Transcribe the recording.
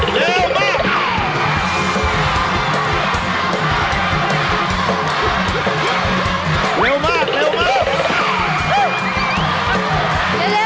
เร็วมากเร็วมาก